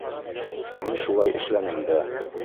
Мин шулай эшләнем дә.